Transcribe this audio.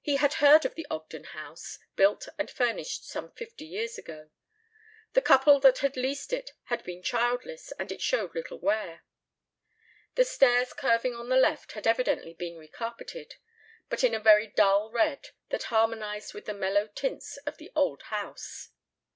He had heard of the Ogden house, built and furnished some fifty years ago. The couple that had leased it had been childless and it showed little wear. The stairs curving on the left had evidently been recarpeted, but in a very dull red that harmonized with the mellow tints of the old house.